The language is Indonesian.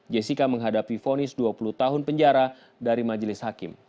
jessica menghadapi fonis dua puluh tahun penjara dari majelis hakim